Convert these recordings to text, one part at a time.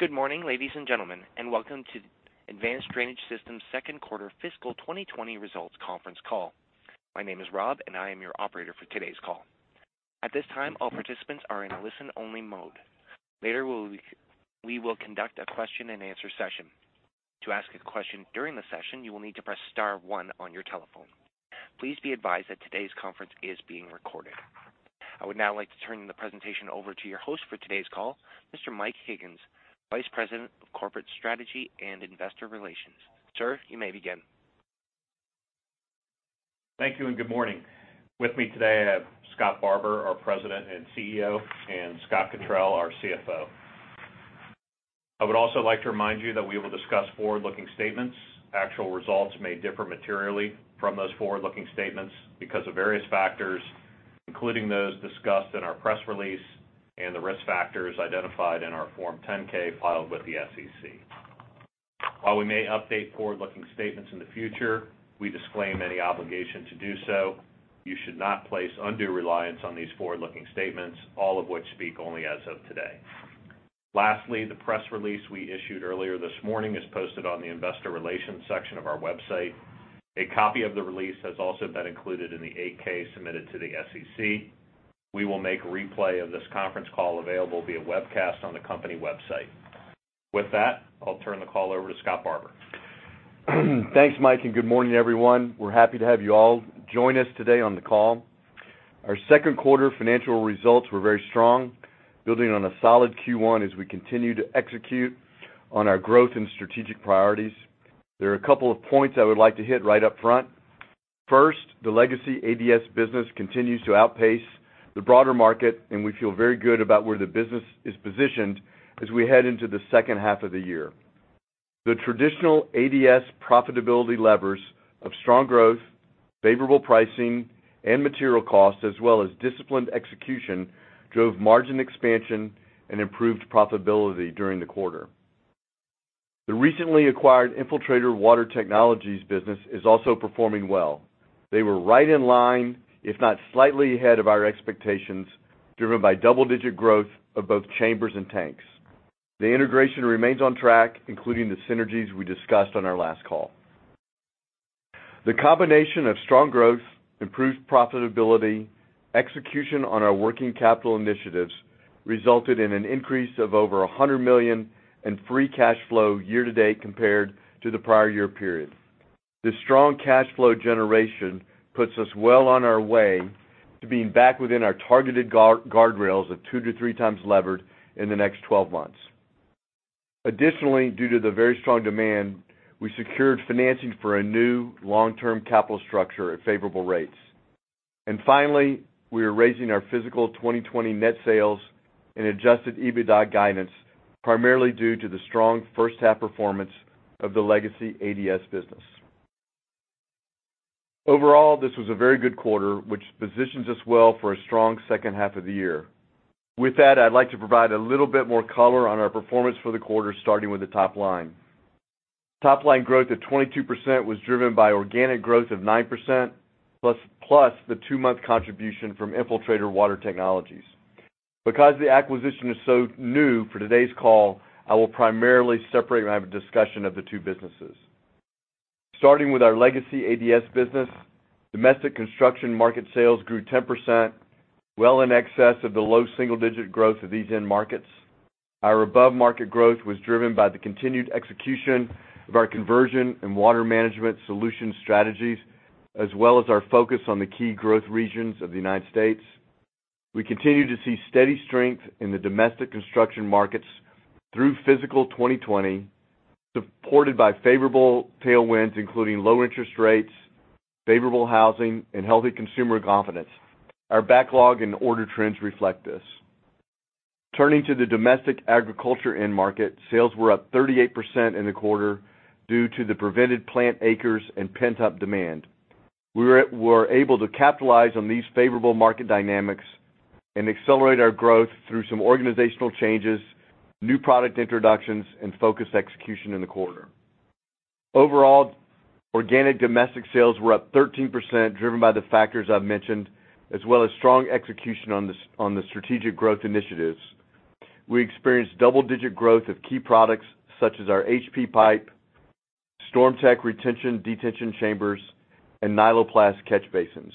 Good morning, ladies and gentlemen, and welcome to Advanced Drainage Systems' second-quarter fiscal 2020 results conference call. My name is Rob, and I am your operator for today's call. At this time, all participants are in a listen-only mode. Later, we will conduct a question-and-answer session. To ask a question during the session, you will need to press star one on your telephone. Please be advised that today's conference is being recorded. I would now like to turn the presentation over to your host for today's call, Mr. Mike Higgins, Vice President of Corporate Strategy and Investor Relations. Sir, you may begin. Thank you, and good morning. With me today, I have Scott Barbour, our President and CEO, and Scott Cottrill, our CFO. I would also like to remind you that we will discuss forward-looking statements. Actual results may differ materially from those forward-looking statements because of various factors, including those discussed in our press release and the risk factors identified in our Form 10-K filed with the SEC. While we may update forward-looking statements in the future, we disclaim any obligation to do so. You should not place undue reliance on these forward-looking statements, all of which speak only as of today. Lastly, the press release we issued earlier this morning is posted on the investor relations section of our website. A copy of the release has also been included in the 8-K submitted to the SEC. We will make a replay of this conference call available via webcast on the company website. With that, I'll turn the call over to Scott Barbour. Thanks, Mike, and good morning, everyone. We're happy to have you all join us today on the call. Our second-quarter financial results were very strong, building on a solid Q1 as we continue to execute on our growth and strategic priorities. There are a couple of points I would like to hit right up front. First, the legacy ADS business continues to outpace the broader market, and we feel very good about where the business is positioned as we head into the second half of the year. The traditional ADS profitability levers of strong growth, favorable pricing and material costs, as well as disciplined execution, drove margin expansion and improved profitability during the quarter. The recently acquired Infiltrator Water Technologies business is also performing well. They were right in line, if not slightly ahead of our expectations, driven by double-digit growth of both chambers and tanks. The integration remains on track, including the synergies we discussed on our last call. The combination of strong growth, improved profitability, execution on our working capital initiatives resulted in an increase of over $100 million in free cash flow year to date compared to the prior year period. This strong cash flow generation puts us well on our way to being back within our targeted guardrails of 2x-3x levered in the next 12 months. Additionally, due to the very strong demand, we secured financing for a new long-term capital structure at favorable rates. And finally, we are raising our fiscal 2020 net sales and Adjusted EBITDA guidance, primarily due to the strong first half performance of the legacy ADS business. Overall, this was a very good quarter, which positions us well for a strong second half of the year. With that, I'd like to provide a little bit more color on our performance for the quarter, starting with the top line. Top line growth of 22% was driven by organic growth of 9%, plus the two-month contribution from Infiltrator Water Technologies. Because the acquisition is so new for today's call, I will primarily separate and have a discussion of the two businesses. Starting with our legacy ADS business, domestic construction market sales grew 10%, well in excess of the low single-digit growth of these end markets. Our above-market growth was driven by the continued execution of our conversion and water management solution strategies, as well as our focus on the key growth regions of the United States. We continue to see steady strength in the domestic construction markets through fiscal 2020, supported by favorable tailwinds, including low interest rates, favorable housing and healthy consumer confidence. Our backlog and order trends reflect this. Turning to the domestic agriculture end market, sales were up 38% in the quarter due to the prevented plant acres and pent-up demand. We were able to capitalize on these favorable market dynamics and accelerate our growth through some organizational changes, new product introductions and focused execution in the quarter. Overall, organic domestic sales were up 13%, driven by the factors I've mentioned, as well as strong execution on the strategic growth initiatives. We experienced double-digit growth of key products such as our HP pipe, StormTech retention/detention chambers, and Nyloplast Catch Basins.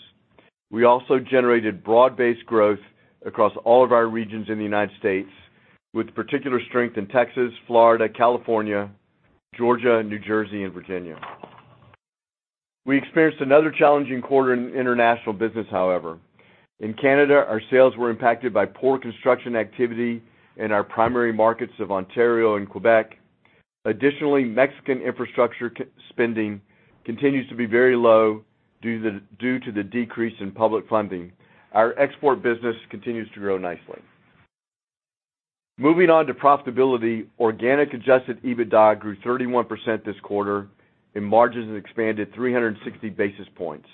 We also generated broad-based growth across all of our regions in the United States, with particular strength in Texas, Florida, California, Georgia, New Jersey, and Virginia. We experienced another challenging quarter in international business, however. In Canada, our sales were impacted by poor construction activity in our primary markets of Ontario and Quebec. Additionally, Mexican infrastructure spending continues to be very low due to the decrease in public funding. Our export business continues to grow nicely. Moving on to profitability. Organic Adjusted EBITDA grew 31% this quarter, and margins expanded 360 basis points.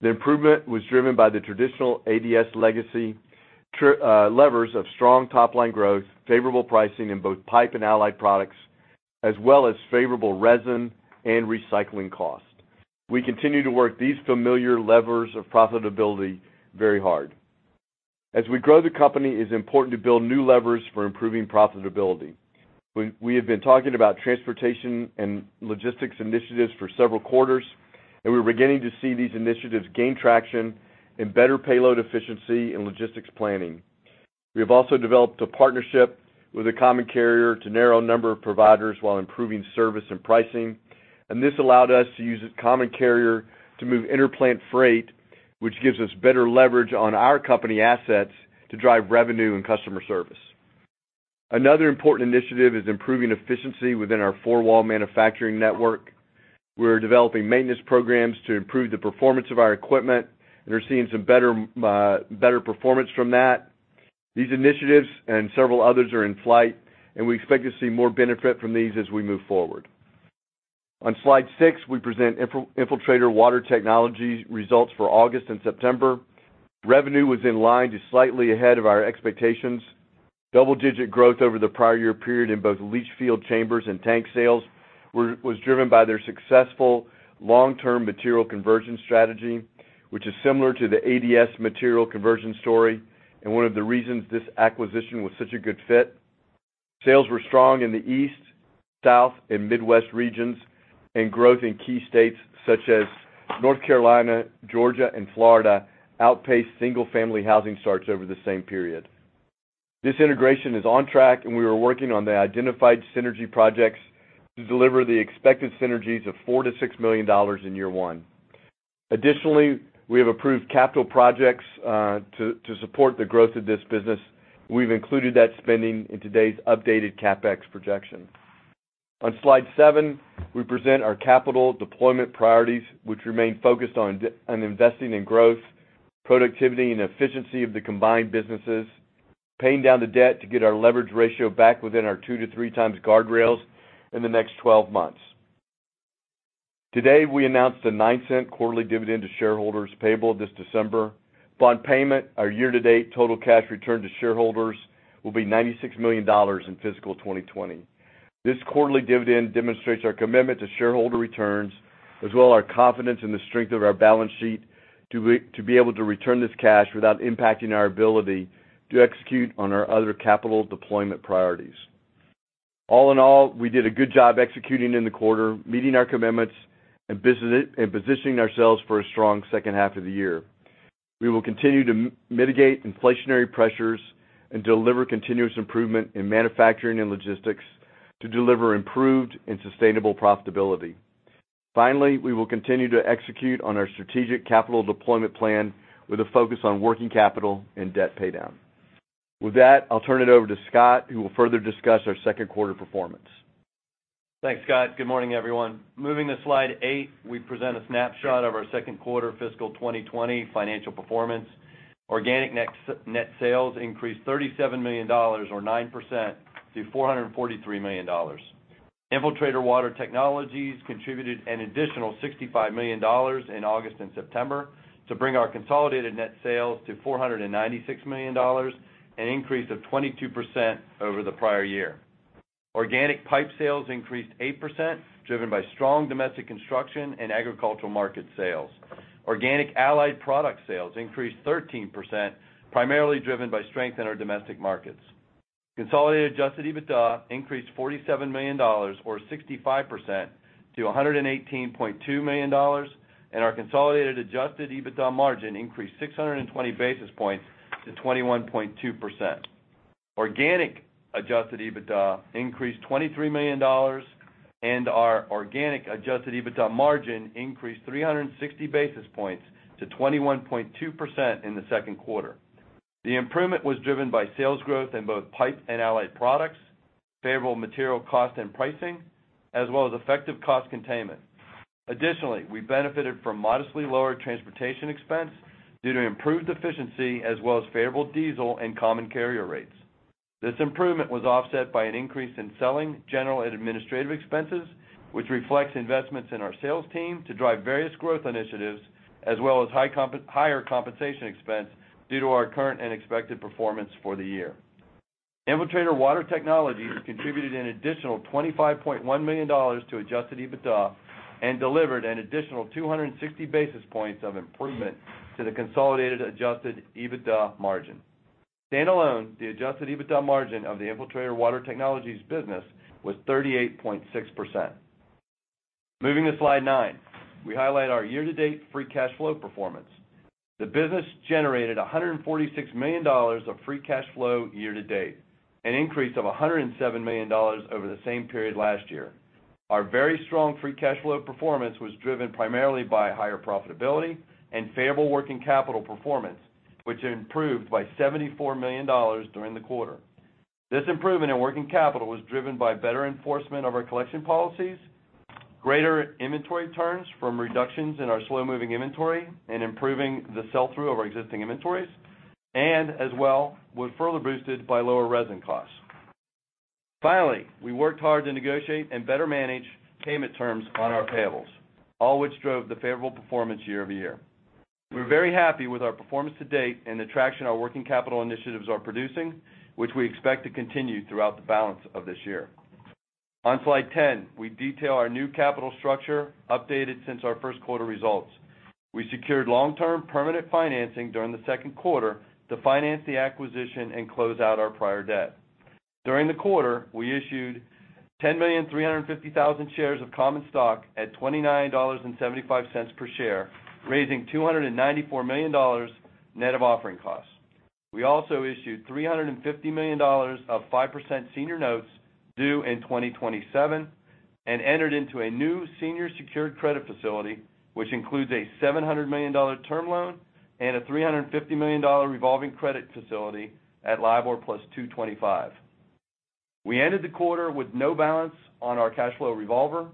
The improvement was driven by the traditional ADS legacy levers of strong top-line growth, favorable pricing in both pipe and allied products, as well as favorable resin and recycling costs. We continue to work these familiar levers of profitability very hard. As we grow the company, it's important to build new levers for improving profitability. We have been talking about transportation and logistics initiatives for several quarters, and we're beginning to see these initiatives gain traction in better payload efficiency and logistics planning. We have also developed a partnership with a common carrier to narrow the number of providers while improving service and pricing, and this allowed us to use a common carrier to move interplant freight, which gives us better leverage on our company assets to drive revenue and customer service. Another important initiative is improving efficiency within our four-wall manufacturing network. We're developing maintenance programs to improve the performance of our equipment, and we're seeing some better performance from that. These initiatives and several others are in flight, and we expect to see more benefit from these as we move forward. On slide six, we present Infiltrator Water Technologies results for August and September. Revenue was in line to slightly ahead of our expectations. Double-digit growth over the prior year period in both leach field chambers and tank sales was driven by their successful long-term material conversion strategy, which is similar to the ADS material conversion story and one of the reasons this acquisition was such a good fit. Sales were strong in the East, South, and Midwest regions, and growth in key states such as North Carolina, Georgia, and Florida outpaced single-family housing starts over the same period. This integration is on track, and we are working on the identified synergy projects to deliver the expected synergies of $4 million-$6 million in year one. Additionally, we have approved capital projects to support the growth of this business. We've included that spending in today's updated CapEx projection. On slide seven, we present our capital deployment priorities, which remain focused on investing in growth, productivity, and efficiency of the combined businesses, paying down the debt to get our leverage ratio back within our two to three times guardrails in the next twelve months. Today, we announced a $0.09 quarterly dividend to shareholders payable this December. Upon payment, our year-to-date total cash return to shareholders will be $96 million in fiscal 2020. This quarterly dividend demonstrates our commitment to shareholder returns, as well as our confidence in the strength of our balance sheet to be able to return this cash without impacting our ability to execute on our other capital deployment priorities. All in all, we did a good job executing in the quarter, meeting our commitments and positioning ourselves for a strong second half of the year. We will continue to mitigate inflationary pressures and deliver continuous improvement in manufacturing and logistics to deliver improved and sustainable profitability. Finally, we will continue to execute on our strategic capital deployment plan with a focus on working capital and debt paydown. With that, I'll turn it over to Scott, who will further discuss our second quarter performance. Thanks, Scott. Good morning, everyone. Moving to slide 8, we present a snapshot of our second quarter fiscal 2020 financial performance. Organic net sales increased $37 million or 9% to $443 million. Infiltrator Water Technologies contributed an additional $65 million in August and September to bring our consolidated net sales to $496 million, an increase of 22% over the prior year. Organic pipe sales increased 8%, driven by strong domestic construction and agricultural market sales. Organic allied product sales increased 13%, primarily driven by strength in our domestic markets. Consolidated Adjusted EBITDA increased $47 million or 65% to $118.2 million, and our consolidated Adjusted EBITDA margin increased 620 basis points to 21.2%. Organic Adjusted EBITDA increased $23 million, and our organic Adjusted EBITDA margin increased 360 basis points to 21.2% in the second quarter. The improvement was driven by sales growth in both pipe and allied products, favorable material cost and pricing, as well as effective cost containment. Additionally, we benefited from modestly lower transportation expense due to improved efficiency as well as favorable diesel and common carrier rates. This improvement was offset by an increase in selling, general, and administrative expenses, which reflects investments in our sales team to drive various growth initiatives, as well as higher compensation expense due to our current and expected performance for the year. Infiltrator Water Technologies contributed an additional $25.1 million to Adjusted EBITDA and delivered an additional 260 basis points of improvement to the consolidated Adjusted EBITDA margin. Standalone, the Adjusted EBITDA margin of the Infiltrator Water Technologies business was 38.6%. Moving to slide nine, we highlight our year-to-date free cash flow performance. The business generated $146 million of free cash flow year to date, an increase of $107 million over the same period last year. Our very strong free cash flow performance was driven primarily by higher profitability and favorable working capital performance, which improved by $74 million during the quarter. This improvement in working capital was driven by better enforcement of our collection policies, greater inventory turns from reductions in our slow-moving inventory and improving the sell-through of our existing inventories, and as well, was further boosted by lower resin costs. Finally, we worked hard to negotiate and better manage payment terms on our payables, all which drove the favorable performance year-over-year. We're very happy with our performance to date and the traction our working capital initiatives are producing, which we expect to continue throughout the balance of this year. On slide 10, we detail our new capital structure, updated since our first quarter results. We secured long-term permanent financing during the second quarter to finance the acquisition and close out our prior debt. During the quarter, we issued 10,350,000 shares of common stock at $29.75 per share, raising $294 million net of offering costs. We also issued $350 million of 5% senior notes due in 2027, and entered into a new senior secured credit facility, which includes a $700 million term loan and a $350 million revolving credit facility at LIBOR+ 2.25%. We ended the quarter with no balance on our cash flow revolver,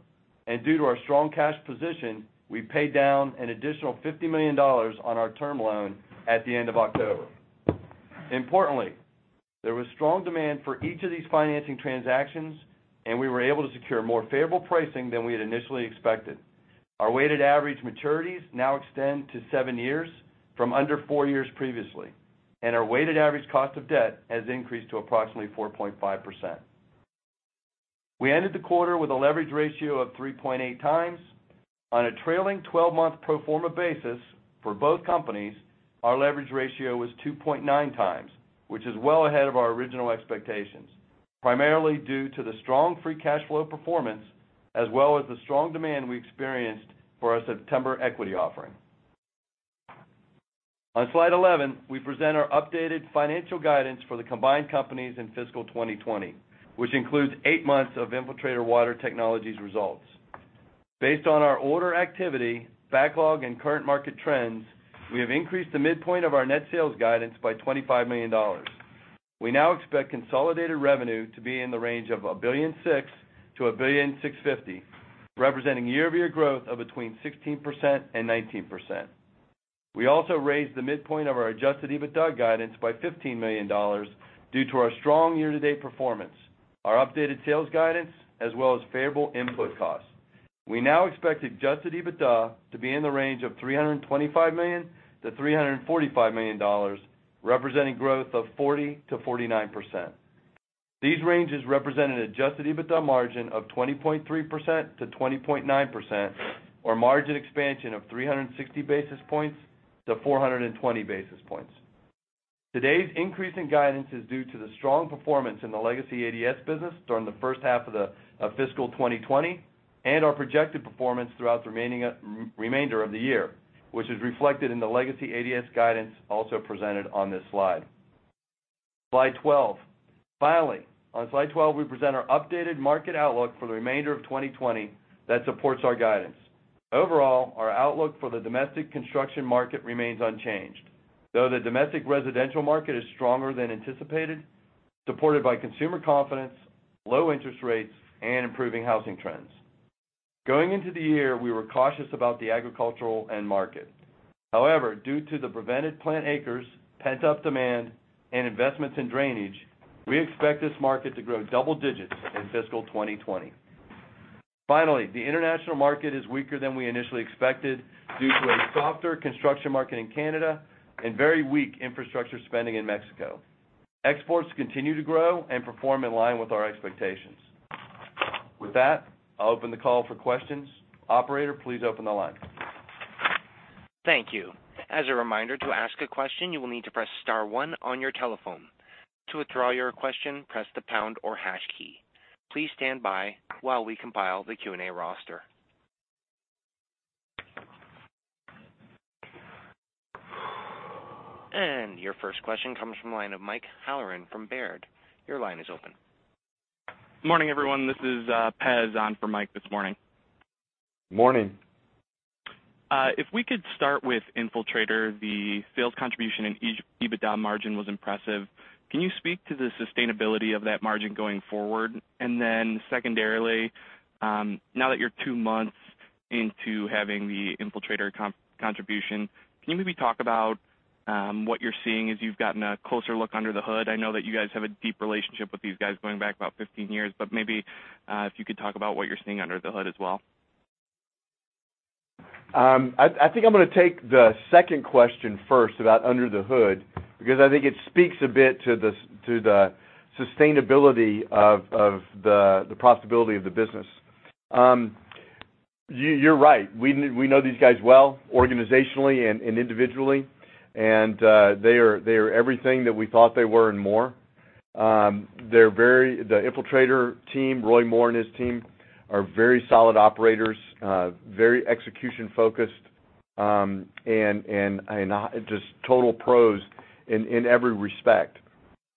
and due to our strong cash position, we paid down an additional $50 million on our term loan at the end of October. Importantly, there was strong demand for each of these financing transactions, and we were able to secure more favorable pricing than we had initially expected. Our weighted average maturities now extend to seven years from under four years previously, and our weighted average cost of debt has increased to approximately 4.5%. We ended the quarter with a leverage ratio of 3.8x. On a trailing 12-month pro forma basis for both companies, our leverage ratio was 2.9x, which is well ahead of our original expectations, primarily due to the strong free cash flow performance, as well as the strong demand we experienced for our September equity offering. On slide 11, we present our updated financial guidance for the combined companies in fiscal 2020, which includes eight months of Infiltrator Water Technologies results. Based on our order activity, backlog, and current market trends, we have increased the midpoint of our net sales guidance by $25 million. We now expect consolidated revenue to be in the range of $1.06 billion-$1.065 billion, representing year-over-year growth of between 16% and 19%. We also raised the midpoint of our Adjusted EBITDA guidance by $15 million due to our strong year-to-date performance, our updated sales guidance, as well as favorable input costs. We now expect Adjusted EBITDA to be in the range of $325 million-$345 million, representing growth of 40%-49%. These ranges represent an Adjusted EBITDA margin of 20.3%-20.9%, or margin expansion of 360 basis points-420 basis points. Today's increase in guidance is due to the strong performance in the legacy ADS business during the first half of the fiscal 2020, and our projected performance throughout the remaining remainder of the year, which is reflected in the legacy ADS guidance, also presented on this slide. Slide 12. Finally, on slide 12, we present our updated market outlook for the remainder of 2020 that supports our guidance. Overall, our outlook for the domestic construction market remains unchanged, though the domestic residential market is stronger than anticipated, supported by consumer confidence, low interest rates, and improving housing trends. Going into the year, we were cautious about the agricultural end market. However, due to the prevented plant acres, pent-up demand, and investments in drainage, we expect this market to grow double digits in fiscal 2020. Finally, the international market is weaker than we initially expected, due to a softer construction market in Canada and very weak infrastructure spending in Mexico. Exports continue to grow and perform in line with our expectations. With that, I'll open the call for questions. Operator, please open the line. Thank you. As a reminder, to ask a question, you will need to press star one on your telephone. To withdraw your question, press the pound or hash key. Please stand by while we compile the Q&A roster. And your first question comes from the line of Mike Halloran from Baird. Your line is open. Morning, everyone. This is, Pez on for Mike this morning. Morning. If we could start with Infiltrator, the sales contribution and EBITDA margin was impressive. Can you speak to the sustainability of that margin going forward? And then secondarily, now that you're two months into having the Infiltrator contribution, can you maybe talk about what you're seeing as you've gotten a closer look under the hood? I know that you guys have a deep relationship with these guys going back about 15 years, but maybe, if you could talk about what you're seeing under the hood as well. I think I'm gonna take the second question first about under the hood, because I think it speaks a bit to the sustainability of the profitability of the business. You're right. We know these guys well, organizationally and individually, and they are everything that we thought they were and more. The Infiltrator team, Roy Moore and his team, are very solid operators, very execution-focused, and just total pros in every respect.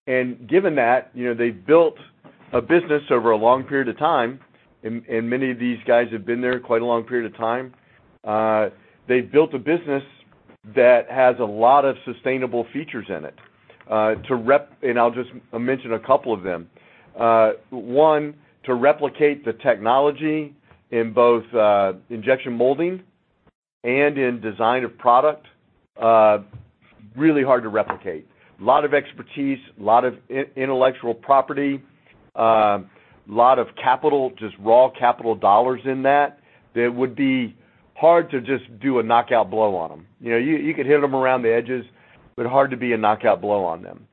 And given that, you know, they've built a business over a long period of time, and many of these guys have been there quite a long period of time, they've built a business that has a lot of sustainable features in it, and I'll just mention a couple of them. One, to replicate the technology in both injection molding and in design of product, really hard to replicate. Lot of expertise, lot of intellectual property, lot of capital, just raw capital dollars in that, that would be- ... hard to just do a knockout blow on them. You know, you could hit them around the edges, but hard to be a knockout blow on them.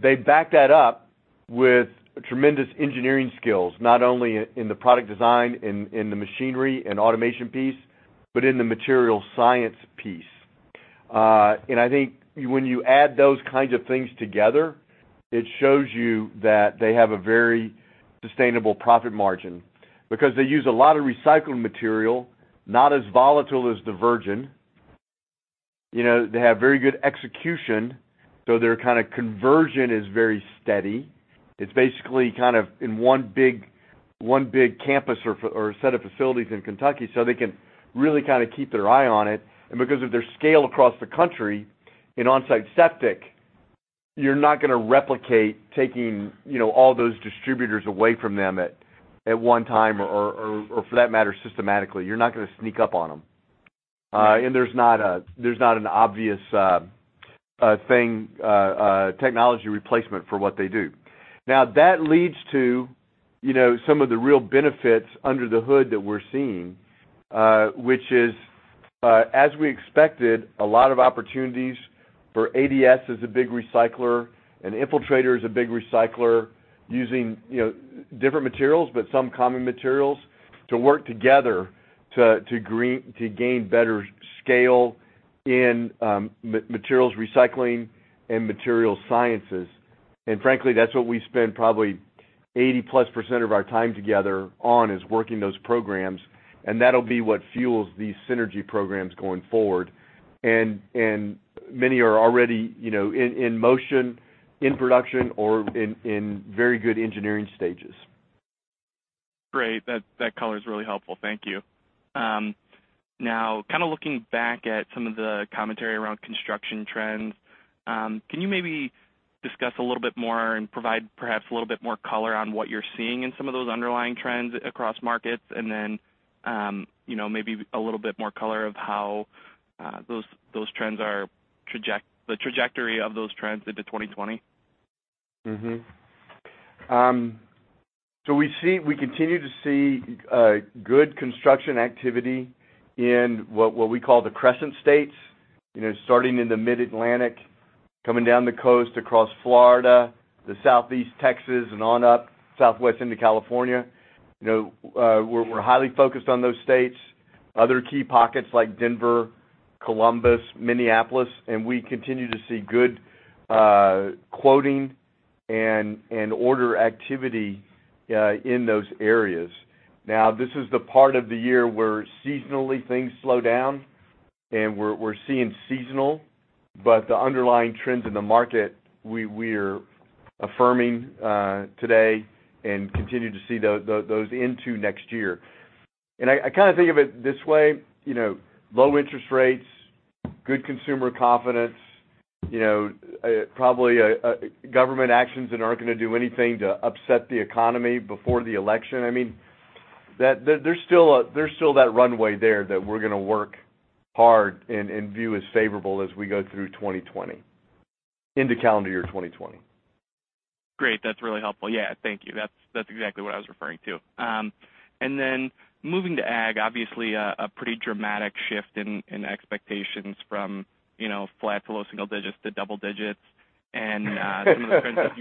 They back that up with tremendous engineering skills, not only in the product design, in the machinery and automation piece, but in the material science piece. And I think when you add those kinds of things together, it shows you that they have a very sustainable profit margin. Because they use a lot of recycled material, not as volatile as the virgin. You know, they have very good execution, so their kind of conversion is very steady. It's basically kind of in one big campus or a set of facilities in Kentucky, so they can really kind of keep their eye on it. And because of their scale across the country, in on-site septic, you're not gonna replicate taking, you know, all those distributors away from them at one time or for that matter, systematically. You're not gonna sneak up on them. And there's not an obvious thing, technology replacement for what they do. Now, that leads to, you know, some of the real benefits under the hood that we're seeing, which is, as we expected, a lot of opportunities for ADS as a big recycler and Infiltrator as a big recycler, using, you know, different materials, but some common materials, to work together to gain better scale in materials recycling and materials sciences. And frankly, that's what we spend probably 80+% of our time together on, is working those programs, and that'll be what fuels these synergy programs going forward. And many are already, you know, in motion, in production or in very good engineering stages. Great. That, that color is really helpful. Thank you. Now, kind of looking back at some of the commentary around construction trends, can you maybe discuss a little bit more and provide perhaps a little bit more color on what you're seeing in some of those underlying trends across markets? And then, you know, maybe a little bit more color on the trajectory of those trends into 2020. Mm-hmm. So we see we continue to see good construction activity in what we call the Crescent states. You know, starting in the Mid-Atlantic, coming down the coast across Florida, the Southeast Texas, and on up southwest into California. You know, we're highly focused on those states, other key pockets like Denver, Columbus, Minneapolis, and we continue to see good quoting and order activity in those areas. Now, this is the part of the year where seasonally things slow down, and we're seeing seasonal, but the underlying trends in the market, we're affirming today and continue to see those into next year. I kind of think of it this way, you know, low interest rates, good consumer confidence, you know, probably government actions that aren't going to do anything to upset the economy before the election. I mean, there's still that runway there that we're gonna work hard and view as favorable as we go through 2020, into calendar year 2020. Great. That's really helpful. Yeah, thank you. That's, that's exactly what I was referring to. And then moving to ag, obviously a pretty dramatic shift in expectations from, you know, flat to low single digits to double digits. And some of the trends that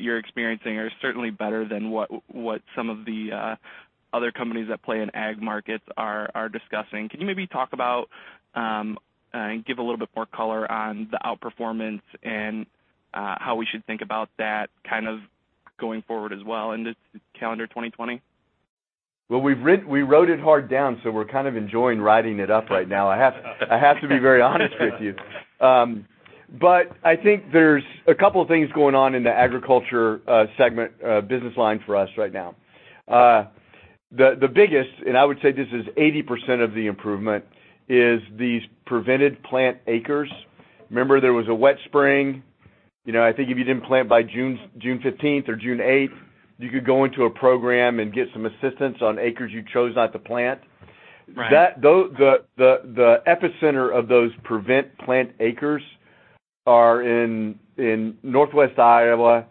you are experiencing are certainly better than what some of the other companies that play in ag markets are discussing. Can you maybe talk about and give a little bit more color on the outperformance and how we should think about that kind of going forward as well into calendar 2020? We've rode it hard down, so we're kind of enjoying riding it up right now. I have to be very honest with you. I think there's a couple of things going on in the agriculture segment business line for us right now. The biggest, and I would say this is 80% of the improvement, is these prevented plant acres. Remember there was a wet spring, you know. I think if you didn't plant by June 15th or June 8th, you could go into a program and get some assistance on acres you chose not to plant. Right. That, though, the epicenter of those prevent plant acres are in Northwest Iowa,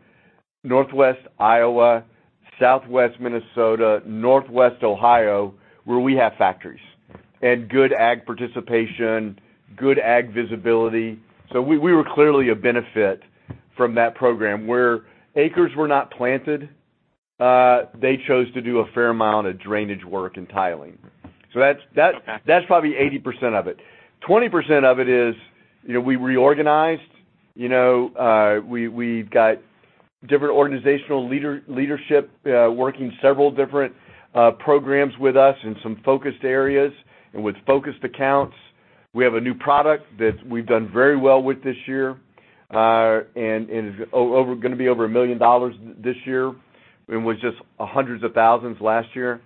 Southwest Minnesota, Northwest Ohio, where we have factories and good ag participation, good ag visibility. So we were clearly a benefit from that program. Where acres were not planted, they chose to do a fair amount of drainage work and tiling. So that's- Okay... that's probably 80% of it. 20% of it is, you know, we reorganized. You know, we've got different organizational leadership working several different programs with us in some focused areas and with focused accounts. We have a new product that we've done very well with this year, and is gonna be over $1 million this year, and was just hundreds of thousands last year.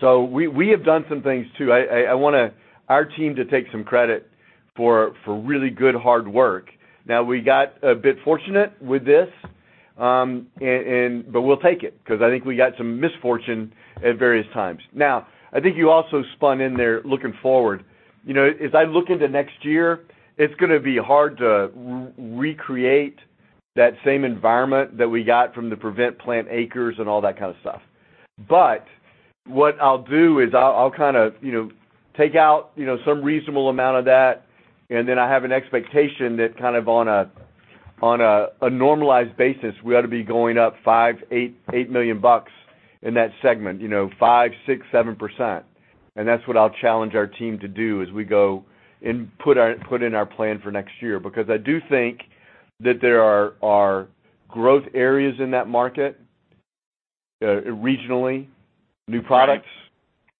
So we have done some things, too. I want our team to take some credit for really good, hard work. Now, we got a bit fortunate with this, and but we'll take it, 'cause I think we got some misfortune at various times. Now, I think you also spun in there looking forward. You know, as I look into next year, it's gonna be hard to recreate-... that same environment that we got from the prevented plant acres and all that kind of stuff. But what I'll do is I'll kind of, you know, take out, you know, some reasonable amount of that, and then I have an expectation that kind of on a normalized basis, we ought to be going up $5 million-8 million in that segment, you know, 5%, 6%, 7%. And that's what I'll challenge our team to do as we go and put our, put in our plan for next year. Because I do think that there are growth areas in that market, regionally, new products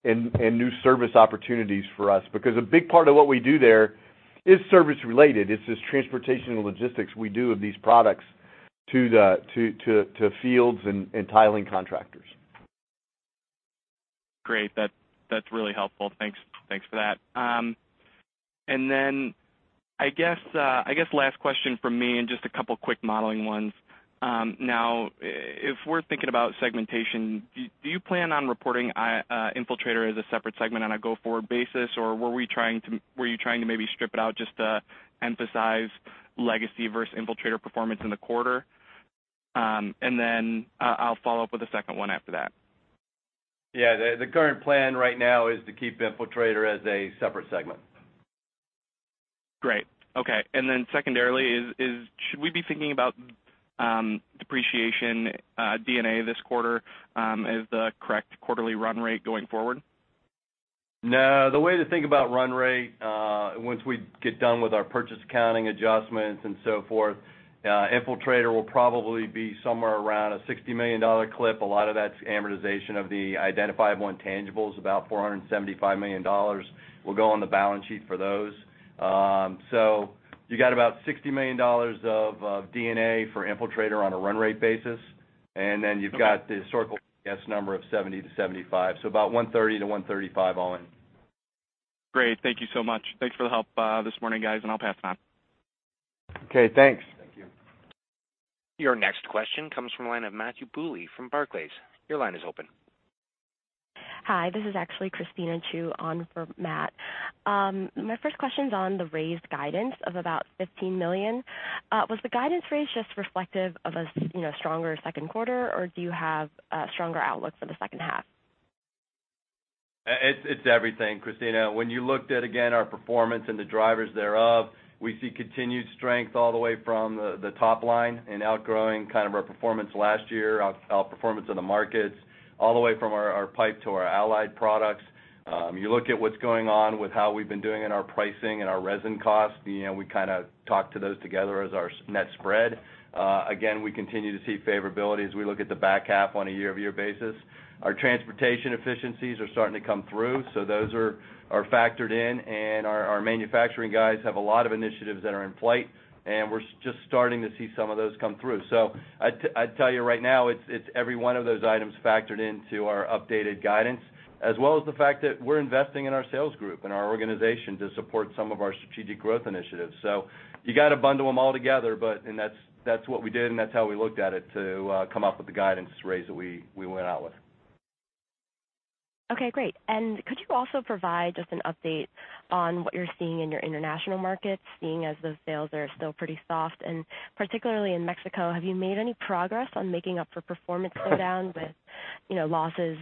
and new service opportunities for us. Because a big part of what we do there is service-related. It's this transportation and logistics we do of these products to the fields and tiling contractors. Great. That, that's really helpful. Thanks, thanks for that. And then, I guess, I guess last question from me, and just a couple quick modeling ones. Now if we're thinking about segmentation, do you plan on reporting Infiltrator as a separate segment on a go-forward basis? Or were we trying to, were you trying to maybe strip it out just to emphasize legacy versus Infiltrator performance in the quarter? And then, I'll follow up with a second one after that. Yeah, the current plan right now is to keep Infiltrator as a separate segment. Great, okay. And then secondarily, should we be thinking about depreciation, D&A this quarter, as the correct quarterly run rate going forward? No. The way to think about run rate, once we get done with our purchase accounting adjustments and so forth, Infiltrator will probably be somewhere around a $60 million clip. A lot of that's amortization of the identifiable intangibles. About $475 million will go on the balance sheet for those. So you got about $60 million of D&A for Infiltrator on a run rate basis, and then you've got- Okay. The historical guess number of $70 million-$75 million, so about $130 million-$135 million all in. Great. Thank you so much. Thanks for the help this morning, guys, and I'll pass it on. Okay, thanks. Thank you. Your next question comes from the line of Matthew Bouley from Barclays. Your line is open. Hi, this is actually Christina Xu on for Matt. My first question's on the raised guidance of about $15 million. Was the guidance raise just reflective of a, you know, stronger second quarter, or do you have a stronger outlook for the second half? It's everything, Christina. When you looked at, again, our performance and the drivers thereof, we see continued strength all the way from the top line and outgrowing kind of our performance last year, our performance in the markets, all the way from our pipe to our allied products. You look at what's going on with how we've been doing in our pricing and our resin costs, you know, we kind of talk to those together as our net spread. Again, we continue to see favorability as we look at the back half on a year-over-year basis. Our transportation efficiencies are starting to come through, so those are factored in, and our manufacturing guys have a lot of initiatives that are in flight, and we're just starting to see some of those come through. So I'd tell you right now, it's every one of those items factored into our updated guidance, as well as the fact that we're investing in our sales group and our organization to support some of our strategic growth initiatives. So you got to bundle them all together, but and that's what we did, and that's how we looked at it to come up with the guidance raise that we went out with. Okay, great. And could you also provide just an update on what you're seeing in your international markets, seeing as those sales are still pretty soft? And particularly in Mexico, have you made any progress on making up for performance slowdowns with, you know, losses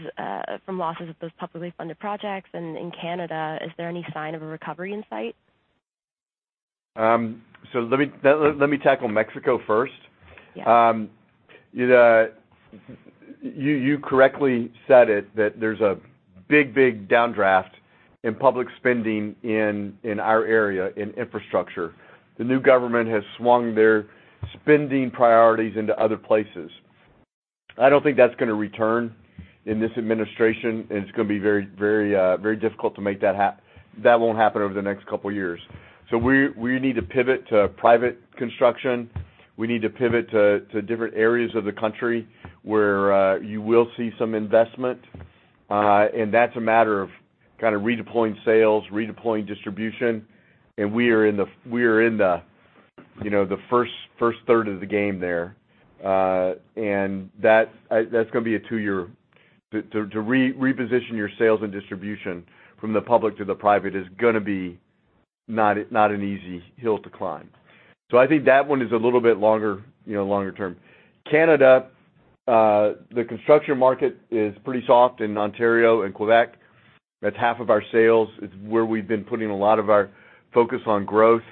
from losses of those publicly funded projects? And in Canada, is there any sign of a recovery in sight? Let me tackle Mexico first. Yes. You correctly said it, that there's a big downdraft in public spending in our area, in infrastructure. The new government has swung their spending priorities into other places. I don't think that's gonna return in this administration, and it's gonna be very difficult to make that happen. That won't happen over the next couple of years. So we need to pivot to private construction. We need to pivot to different areas of the country, where you will see some investment. And that's a matter of kind of redeploying sales, redeploying distribution, and we are in the you know, the first third of the game there. And that's gonna be a two-year... To reposition your sales and distribution from the public to the private is gonna be not an easy hill to climb. So I think that one is a little bit longer, you know, longer term. Canada, the construction market is pretty soft in Ontario and Quebec. That's half of our sales. It's where we've been putting a lot of our focus on growth.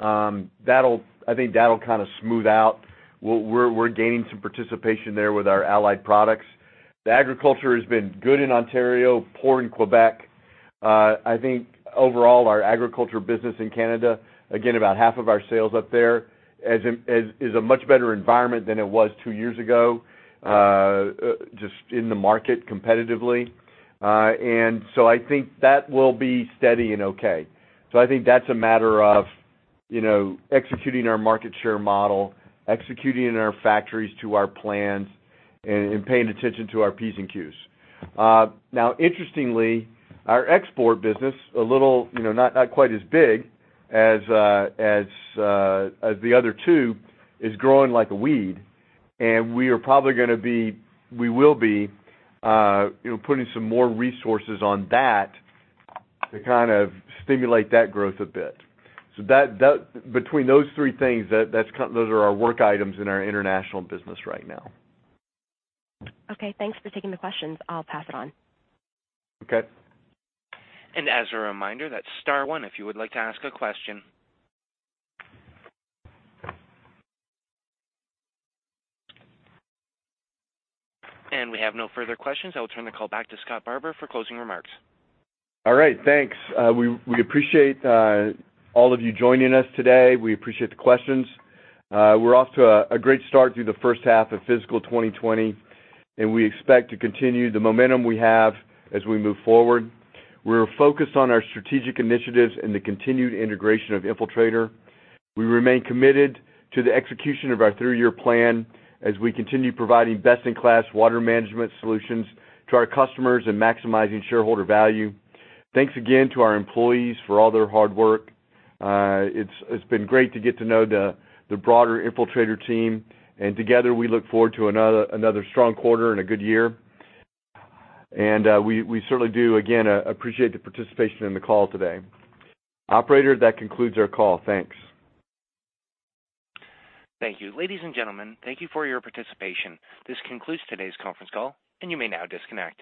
That'll I think that'll kind of smooth out. We're gaining some participation there with our allied products. The agriculture has been good in Ontario, poor in Quebec. I think overall, our agriculture business in Canada, again, about half of our sales up there, is a much better environment than it was two years ago, just in the market competitively. And so I think that will be steady and okay. I think that's a matter of, you know, executing our market share model, executing in our factories to our plans, and paying attention to our P's and Q's. Now interestingly, our export business, a little, you know, not quite as big as the other two, is growing like a weed, and we will be, you know, putting some more resources on that to kind of stimulate that growth a bit. So that between those three things, those are our work items in our international business right now. Okay, thanks for taking the questions. I'll pass it on. Okay. As a reminder, that's star one if you would like to ask a question. We have no further questions. I will turn the call back to Scott Barbour for closing remarks. All right. Thanks. We appreciate all of you joining us today. We appreciate the questions. We're off to a great start through the first half of fiscal 2020, and we expect to continue the momentum we have as we move forward. We're focused on our strategic initiatives and the continued integration of Infiltrator. We remain committed to the execution of our three-year plan, as we continue providing best-in-class water management solutions to our customers and maximizing shareholder value. Thanks again to our employees for all their hard work. It's been great to get to know the broader Infiltrator team, and together, we look forward to another strong quarter and a good year. And we certainly do, again, appreciate the participation in the call today. Operator, that concludes our call. Thanks. Thank you. Ladies and gentlemen, thank you for your participation. This concludes today's conference call, and you may now disconnect.